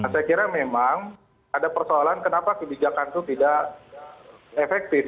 saya kira memang ada persoalan kenapa kebijakan itu tidak efektif